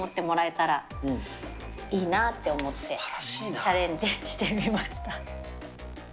チャレンジしてみました。